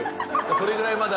それぐらいまだ。